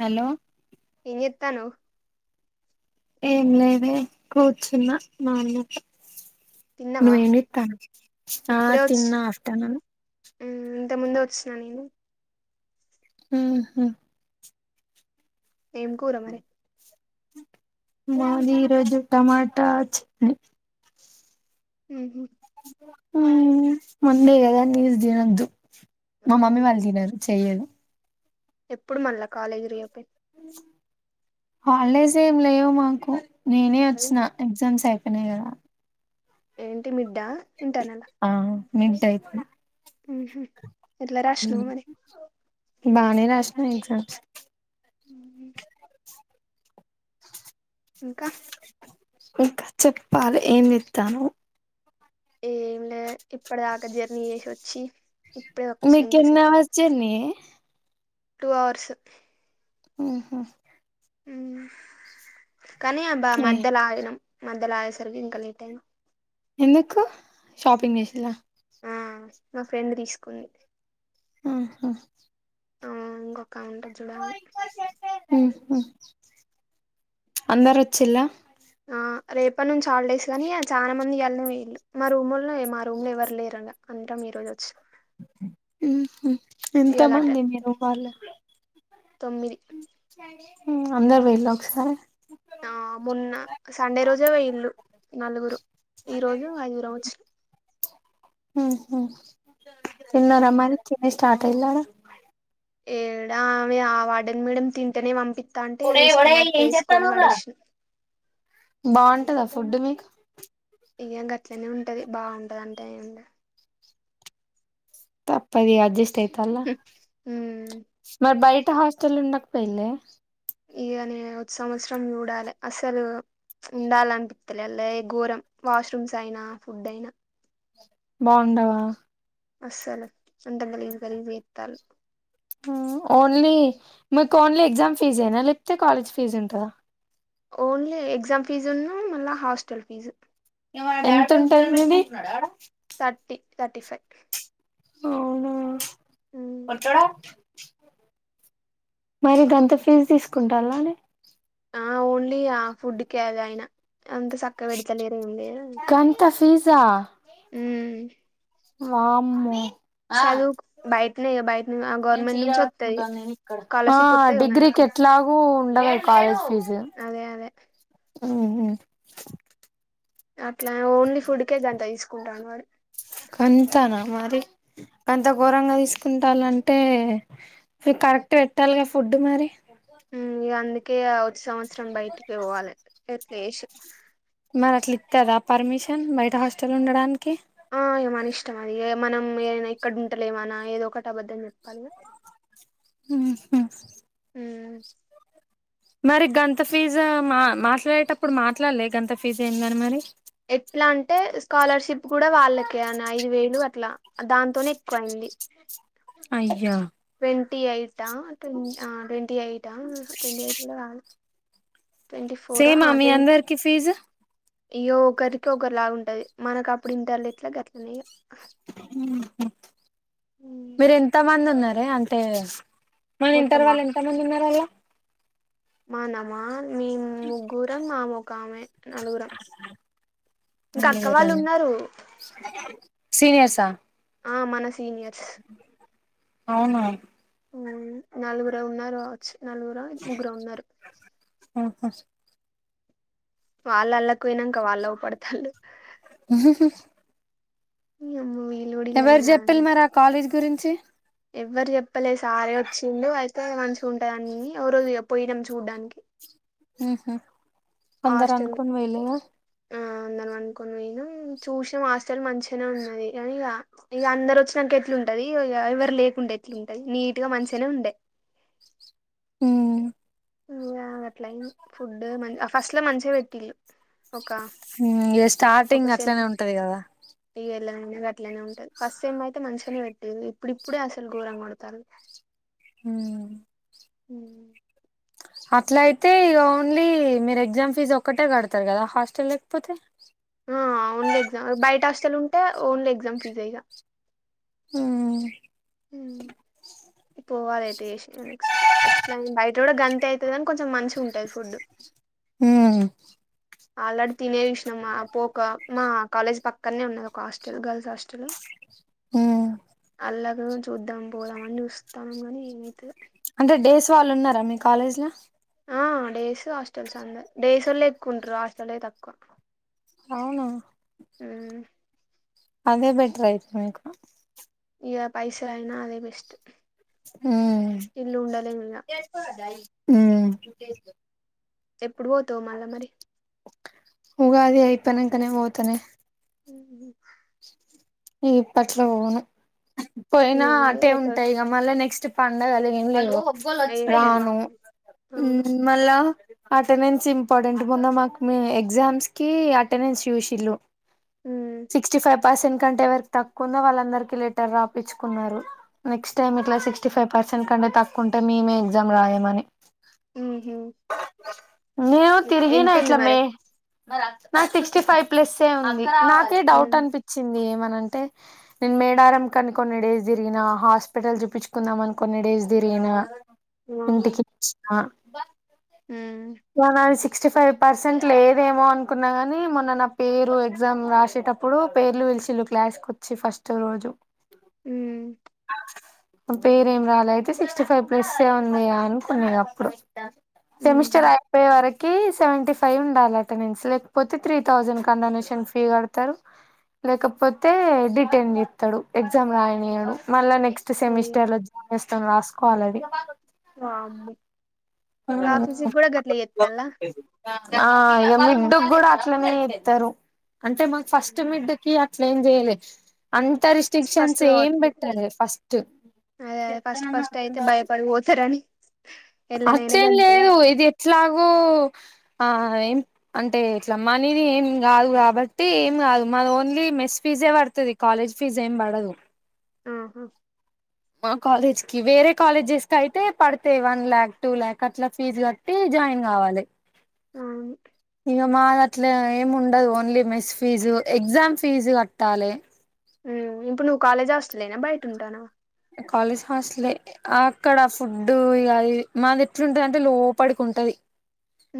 Hello ఏం చేత్తానవ్ ఏం లేదే కూర్చున్న మా అన్నతో తిన్నవా నువ్వేం చేత్తాన్నవ్ ఆ తిన్నా అత్తన్న హ్మ్ ఇంత ముందే వచ్చిన నేను హుహ్ ఏం కూర మరి మాది ఈరోజు టమాటా చట్నీ హుహ్ ఆ మండే కదా నీసు తినద్దు, మా మమ్మీ అవును వాళ్ళు తినరు, చేయరు ఎప్పుడు మళ్ళా కాలేజీ రీ ఓపెన్ హాలీడేస్ ఏం లేవు మాకు నేనే వచ్చిన ఎగ్జామ్స్ అయిపో అయినైగా ఏంటి బిడ్డ ఆ మిడ్ అయిపోయింది ఎట్ల రాసినవ్ మరి బాగానే రాసిన ఎగ్జామ్స్ అ ఇంకా ఇంకా చెప్పాలి ఏమి చేస్తున్నావ్ ఏం లే ఇప్పటిదాంక జర్నీ చేసి వచ్చి ఇప్పుడే వచ్చా మీకు ఎన్ని ఇంతసేపు హార్స్ జర్నీ యే టూ అవర్స్ ఆఓహ అ కానీ అబ్బా ఏ మధ్యలో అగినం అగేసరికి ఇంకా లేట్ అయ్యింది ఎందుకు షాపింగ్ చేసిన్ల ఆ మా ఫ్రెండ్ తీసుకుంది ఆహా కౌంటర్ చూడాల ఉహు అందరు వచ్చిన్ల ఆ రేపటి నుంచి హాల్డేస్ కాని చాలా మందికి ఇవ్వాలనే పోయిన్లు మా రూమ్ మా రూమ్ లో ఎవరు లేరు అందరం ఈ రోజు వచ్చి ఎంత ఇయ్యాల అట మంది మీరు వాళ్ళ తొమ్మిది అందరు పోయిన్ల ఒకసారే ఆ మొన్న సండే రోజే పోయిన్లు నలుగురు ఈ రోజు ఐదుగురం వచ్చినం ఉహు తిన్నారా ఉమ్. మరి తినేసి స్టార్ట్ అయినాక ఆడ ఏడా ఆమె ఆ వాడని మేడం తింటేనే పంపిించ తంటే వేసుకున్నట్టు వేసుకొని వడేసు బాగుంటదా ఫుడ్ మీకు ఇయంగా గట్లనే ఉంటది బాగుంటది అంటే ఏ తప్పది అడ్జస్ట్ అయి పల్ల ఉమ్ మరి బయ హాస్టల్ ఉండకపోయిందే ఇగా నేను సంవత్సరం చూడాలి అసలు ఉండాలనిపించలే అలా ఘోరం వాష్రూమ్స్ అయినా ఫుడ్ అయినా బాగుండవా అస్సలు అంత గలీజ్ గలిజ్ చెత్తారు ఓన్లీ మీకు ఓన్లీ ఎగ్జామ్ ఫీజ్ ఏనా లేకపోతే కాలేజ్ ఫీజు ఉంటందా ఓన్లీ ఎగ్జామ్ ఫీజు ఉన్నా మళ్ళా హాస్టల్ ఫీజు ఎవడు [unintelligible] థటీ తర్టీ ఫైవ్ అవునా పచ్చడా మరి గంత ఫీజు తీసుకుంటాలనే ఆవును ది ఆ ఫుడ్ కె అది అయినా అంత చక్కగా పెడతలేరెందే చ హమ్ వామో అ బయటనే ఇగ బయట నే గవర్నమెంట్ నుంచి వత్తది చీరకట్టుకుంటున్న ఇక్కడ స్కాలర్షిప్ వత్తయి కదా మనకు డిగ్రీకి ఎట్లాగ ఉండదు కాలేజ్ ఫీజు అదే అదే హు హమ్ అట్లా ఓన్లీ ఫుడ్కే దాంత తీసుకుంటాడ్రు వాడు అంతనా మరి అంత ఘోరంగా తీసుకుంటాలంటే మీ కరెక్ట్ పెట్టాలిగా ఫుడ్ మరి హా అంది కే అవు సంవత్సరం బయటికి పోవాలి ఏత్నేషు మరి అట్లా ఇస్తారా పర్మిషన్ బయట హాస్టల్ ఉండడానికి ఆ ఇగ మన ఇష్టం అది ఎ మనం ఏనా ఇక్కడ ఉండలేమనా ఏదో ఒకటి అబద్ధం చె కలువు హమ్ హమ్ మరి గంత ఫీజు మా మాట్లాడేటప్పుడు మాట్లాడలే గంత ఫీజు ఏందని మరి ఎట్లా అంటే స్కాలర్షిప్ కూడా వాళ్ళకే అని ఐదు వేలు అట్లా దాంతోనే ఎక్కువయింది అయ్యా ట్వ ఎయిట్ట్ ట్వ ఎయిట్ ట్వ ఎయిట్ కా ట్వంటీ ఫోర్ సేమా మీ అందరికి ఫీజు అయ్యో ఒకరికి ఒకరులాగా ఉంటది మనకు అప్పుడు ఇంటి వాళ్ళ ఎట్లా గట్లనే హమ్ మ్మ మీరు ఎంత మంది ఉన్నారు అదరే అంటే మన వింటారు మొత్తమా వాళ్ళు ఎంత మంది ఉన్నారు వాళ్ళ మానామా మీ ముగ్గురం మా మొక్క కామె నలుగుర ఇంకా అక్క వాళ్ళు ఉన్నారు సీనియర్సా ఆ మన సీనియర్స్ అవునా నలుగుర ఉన్నారు అవచ్చు నలుగురు ముగ్గురు ఉన్నారు ఆహా వాళ్ళళ్లా పోయినాక వాళ్ళ పడతళు [inaudible] నీ అమ్మాయ్ ఎవరు చెప్పిలు మరి ఆ కాలేజ్ గురించి చి ఎవ్వరు చెప్పలే సారే వచ్చిడు అయితే మంచిగాగుంటుదన్ని ఓ రోజు పోయినాం చూడ్డానికి ఉహు అందరు హాస్టల్ అనుకోని పోయిండుగా ఆ అందని అనుకోని పోయనం చూసిన హాస్టల్ మంచిగానే ఉన్నది కానీ ఇక ఇక అందరు వచ్చినాక ఎట్లుంటది ఎవరు లేకుండే ఎట్లుంటది నీట్గా మంచిగానే ఉండే అ లన్ ఫుడ్ మ ఫస్ట్ లో మంచిగా పెట్టిళ్ళు ఒక ఏ ఒక స్టార్టింగ్ సెమ్ అట్లనే ఉంటది కదా ఇగ గట్లనే ఉంటది ఫస్ట్ సేమ్ అయితే మంచిగానే పెట్టేది ఇప్పుడిప్పుడే అసలు గోరంగా వండుతాల్లు [unintelligible] హ అట్లా అయితే ఇక ఓన్లీ మీరు ఎగ్జామ్ ఫీజ్ ఒక్కటే కడతారు కదా హాస్టల్ లేకపోతే ఓన్లీ ఎగ్జామ్ బయట హాస్టల్ ఉంటే ఓన్లీ ఎగ్జామ్ ఫీజ్ ఆ ఇగ ఆ పోవాలియితే చేస నెక్స్ట్ బయట కూడా గంత అవుతుంది కాని కొంచెం మంచిగా ఉంటది ఫుడ్ హ ఆల్రెడీ తినే చూసినాం మా పోక మా కాలేజ్ పక్కనే ఉన్నది ఒక హాస్టల్ గర్ల్స్ హాస్టల్ [inaudible] అల్లాగ చూద్దాం పోదాం అని చూస్తాన్నాం గాని ఏమైతదో అంటే డేస్ వాళ్ళు ఉన్నారా మీ కాలేజ్ ల ఆ డేస్ హాస్టల్స్ అంద డేస్ వళ్లే ఎక్కువ ఉంటారు హాస్టల్ తక్కువ అవునా ఆ అదే బెటర్ యితు మీకు ఇగ పైసల్ అయినా అదే బెస్ట్ ఇల్లు ఉండలేము ఇక [inaudible] ఆ ఎప్పుడు పోతావు మల్ల మరి ఉగాది అయిపోయినాకనే పోతానే [inaudible] ఇక ఇప్పట్ల పోను పోయినా ఏంది ఆటే ఒక ఉంటా ఈగ మళ్ళ నెక్స్ట్ పండగలు ఏమి లేవు ఏం లేవా రాను అవును మళ్ళా అటెండెన్స్ ఇంపార్టెంట్ మొన్న మాకు ఎగ్జామ్స్ కి అటెండెన్స్ చూసిల్లు ఉమ్ సిక్స్టీ ఫైవ్ పర్సెంట్ దుకంటే ఎవరికి తక్కువుందో వాళ్ళందరికి లెటర్ రాపిచ్చుకున్నారు నెస్ట్ టై ఇట్లా సిక్స్టీ ఫై్ పర్సన్ కంటే తక్కువుంటే మీమే ఎగ్జామ్ రాయమని మ్ హు నేను తిరిగిిన ఇట్ల మే నాది సిక్స్టీ ఫైవ్ ప్లస్ ఏ ఉంది నాకే డౌట్ ఉమ్ అనిపిచి ఏమనంటే నేను మేడారం కని కొన్ని డేస్ తిరిగిన హాస్పిటల్ చూపించుకుందామని కొన్ని డేస్ తిరిగిన ఇంటికి వచ్చిన కా హు సిక్స్టీ ఫైవ్ పర్సెంట్ లేదేమో అనుకున్నా కానీ మొన్న నా పేరు ఎగ్జామ్ రాసేటప్పుడు పేర్లు పిలిశిళు క్లాస్కోచ్చి ఫస్ట్ రోజు హు పేరేం రాలే అయితే సిక్స్టీ ఫైవ్ ప్లస్ ఏ ఉంది అనుకున్న ఇగ అప్పుడు ఉహు సెమిస్టర్ అయిపోయే వరక్ కి సెవెంటీ ఫైవ్ ఉండాలి అటెండెన్స్ లేకపోతే త్రీ థౌజండ్ కండోనేషన్ ఫీ కడుతరు లేకపోతే డిటైన్ చెత్తడు ఎగ్జామ్ రాయనీయ్యాడు మళ్ళా నెక్ నెస్ట్ అయ్యో సెమిస్టర్ లో [unintelligible] త్తం రాసుకోవాలది వామ్మో గా అది ఫీస్ కూడా గట్ల చెత్తల్ల ఆ ఇగ మిడ్డు కూడా అట్లనే చెత్తరు అంటే మక్ ఫస్ట్ మిడ్ కి అట్ ట్లెం చేయాలె అంత ఫస్ట్ ఫస్ట్ రిస్ట్రిక్షన్స్ ఏం కాబట్టికి పెట్టాలే ఫస్ట్ అదే అదే ఫస్ట్ ఫస్ట్ అయితే భయపడి పోతారని ఎల్లనైనా అట్లేం గంతే లేదు ఇది ఎట్లాగు ఆ ఏం అంటే ఇట్లా మనీది ఏం కాదు కాబట్టి ఏం కాదు మన ఓన్లీ మెస్ ఫీజే పడుతది కాలేజ్ ఫీజ్ ఏం పడదు ఆహా మా కాలేజ్ కి వేరే కాలేజెస్ కయితే పడతాయి వన్ ల్యాక్ టూ ల్యాక్ అట్లా ఫీజు కట్టి జాయిన్ కావాలే అవును ఇగ మాదట్లా ఏముండదు only mess fees exam fees కట్టాలే హు ఇప్పుడు నువ్వు కాలేజ్ హాస్టల్ ఏనా బయట ఉంటుంటనవా కాలేజ్ హాస్టలే అక్కడ ఫుడ్ ఇగ అది మాది ఎట్లుంటదంటే లోపడికి ఉంటది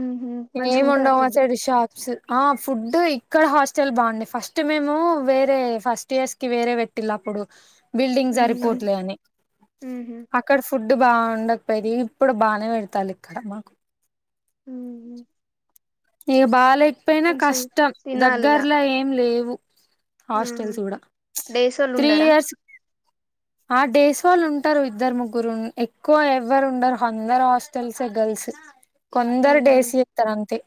ఉహు మంచిగా ఎం ఉంటదా ఉండవు ఆ ఫుడ్ సైడ్ షాప్స్ ఆ ఫుడ్ ఇక్కడ హాస్టల్ బాగుండే ఫస్ట్ మేము వేరే ఫస్ట్ ఇయర్స్ కి వేరే పెట్టిళ్ళు అప్పుడు బిల్డింగ్ సరిపో ఉహు లే అని ఉహు అక్కడ ఫుడ్ బాగుండ పెరి ఇప్పుడు బానే పెడతాలే ఇక్కడ మాకు ఉ నీక బాాలకపోయినా కష్టం తినాలిగా దగ్గరలో ఏం లేవు ఉహు హాస్టల్స్ కూడా డేసోళ్ళు త్రీ ఉండరా ఇయర్స్ ఆ డేస్ఒళ్ళు ఉంటారు ఇద్దరు ముగ్గురు ఎక్కువ ఎవ్వరు ఉండరు అందరు హాస్టల్స్ గర్ల్స్ కొందరు ఉమ్ డేసిీ ఇస్తారంతే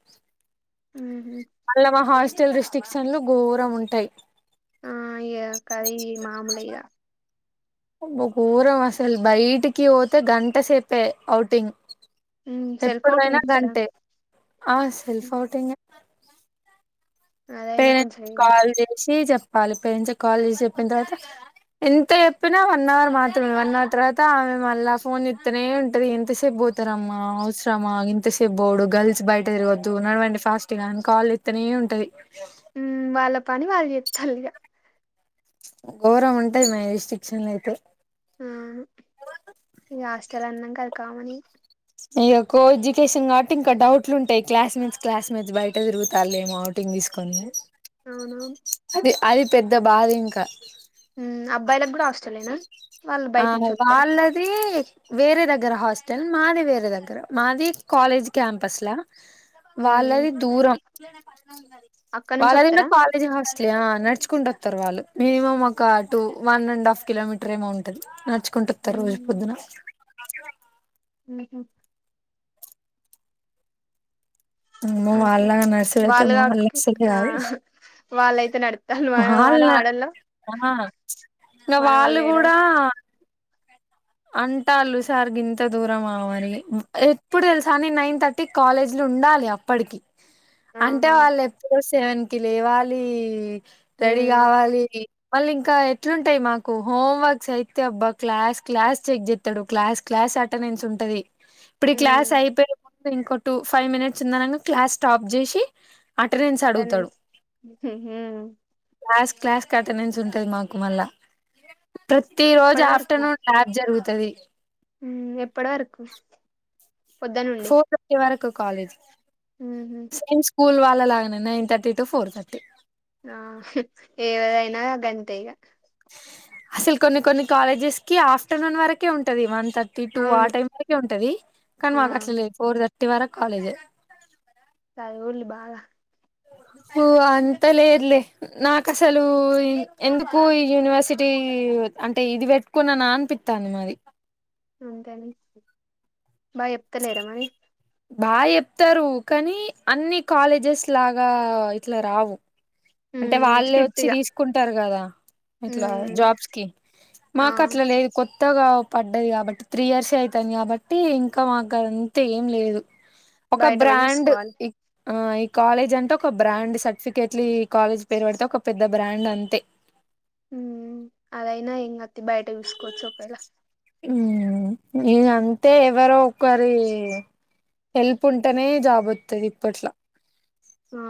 ఉహు మల్ల మ హా స్టల్ రిస్ట్రిక్షన్లు ఘోరం ఉంటాయి ఆ ఇయ్య కరీ మాముూలే ఇగా బా ఘోరం అసల బయటికి పోతే గంట సేప్పే ఔటింగ్ ఉమ్ సెల్ఫ్ ఎప్పుడ ఔటింగ్ అైనా ఇత్తరా గంటే ఆ సెల్ఫ్ అవుటింగ్ అదైనా పేరెంట్స్ కొంచెం కాల్ చేసి చెప్ కాాలి పేరెంట్స్ కాల్ చేసి చెప్పిన తర్వాత ఎంత చెప్పినా వన్ అవర్ మాత్రమే వన్ అవర్ తర్వాత ఆమె మళ్ళా ఫోన్ ఇస్తనే ఉంటది ఎంతసేపు పోతారమ్మా అవసరమా ఇంతసేపు పోడు గర్ల్స్ బయట తిరగద్దు నడవండి ఫాస్ట్ గా అని కాల్ ఇస్తనే ఉంటది ఉమ్ వాళ్ళపాని వాళ్ళ చేతలిగా ఘోరం ఉంటాయి మహేస్టిక్షన్లు అయితే అవును కామనీ ఇ కో ఎడ్యుకేషన్ కాబట్టి ఇంకా డౌట్లు ఉంటాయి క్లాస్మేట్స్ క్లాస్మేట్స్ బయట తిరుగుతా ఏమో అవుటింగ్ తీసుకొని అవునవును అదే అది పెద్ద బాధ ఇంకా ఉమ్ అబ్బాయిలకు కూడా హాస్టల్నా ఆ వాళ్ళదీ, వేరే దగ్గర హా స్టల్, మాది వేర దగ్గర. మాదీ కాలేజ్ క్యాంపస్ లా హ్మ్ వాళ్ళది దూరం. లే నె ఫ అక్కడ నుంచి వాళ్ళదన్న వత్తరా కాలేజ్ హాస్టల్ ఆ నడచ్ కుండొత్తరు వాళ్ళు. మీము ఒకా two one and half kilometre ఏమో ఉ నడ్చ కుంటొత్తరు రోజు పొద్దున. [unintelligible] ఉమ్ హ్మ్మ్ అమ్మో! అట్లా వాళ్లాగ నాడసుడు ఐతే, వాళ్ళు మోకాళ్ళు కాబట్టి సీకే ఆ కాదు. వాళ్ళయితే నడుత్తాళ్ళు మన మన వాళ్ళ! ఆడోళ్ళం అహా, ఇక మన వాళ్ళు ఏడవ గూడా అంటాన్లు సార్ గింత దూరమా మరి ఎప్పుడు తెలుసా? నేన్ నైన్ థర్టీకి కాలేజిలో ఉండాలి. అప్పటికి అంటే ఆహా వాళ్ళు ఎప్పుడొస్ సెవన్ కి లేవాలీ. రెడీ హ్మ్ కావాలీ. మళ్ళి ఇంకా ఎట్లుంటయి మాకు, హోంవర్క్ అయితే అబ్బ క్లాస్ క్లాస్ చెక్ జేత్తరు. క్లాస్ క్లాస్ అటెండెన్స్ ఉంటది. ఇప్పుడు క్లాస్ హ్మ్ అయిపోయి ఇంకో టూ, ఫైవ్ మినిట్స్ ఉందనంగ క్లాస్ స్టాప్ జేసి తన్ ఊహూ. క్లాస్కఅటెండెన్స్ ఉంటది మాకు మళ్ళ. ప్రత్తీ రోజు ఎప్పటి వరకు ఆఫ్టర్నూన్ ఉంటది. హ్మ్ ఎప్పడివరకు? ఫోర్ థర్టీ వరకు. కాలేజ్. ఊహు. సేమ్ స్కూల్ వాళ్ళ లాగనె, nine thirty to four thirty. ఆ హిహ్ ఏదైయినా గంతే ఇగ. అసలు కొన్ని కొన్ని కాలేజెస్ కి, ఆఫ్టర్నూన్ వరకే ఉంటది మంత్. థర్టీ టూ ఆ అవును టైమ్ వరకే ఉంటదీ. కని మాకు ఆ అట్ల లేదు ఫోర్ థర్ టి వరకు కాలేజె. చదవాలి బాగా హు అంత లేదులే నాకు అసలు ఎందుకు ఈ యూనివర్సిటీ అంటే ఇది పెట్టుకున్నా నా అనిపిత్తాంది మరి ఇంకేమి బాగా చెప్తాలేరా మరి బాగా చెప్పారు కానీ అన్ని కాలేజెస్ లాగా ఇట్లా రావు అంటే ఉమ్ వాళ్ళే వచ్చి స్ట్రిక్ట్గా తీసుకుంటారు కదా ఇట్లా ఉమ్ జాబ్స్ కి ఆ మాక్ అట్లా లేదు కొ త్తగా పడ్డది కాబట్టి త్రీ ఇయర్స్‌యే అయితుంది కాబట్టి ఇంకా మాకు అంతే ఏం లేదు ఒక బయట పోయి బ్రాండ్ చూసుకోవాలి ఇ ఆ ఈ కాలేజ్ అంటే ఒక బ్రాండ్ సర్టిఫికేట్లీ కాలేజ్ పేరు పడితే ఒక పెద్ద బ్రాండ్ అంతే హ్మ్ అదైనా ఏంగ బయట చూసుకోవచ్చు ఒకవేళ హ్మ్ ఇగ అంతే ఎవరో ఒకరి హెల్ప్ ఉంటేనే జాబ్ వత్తాది ఇప్పట్లా ఆ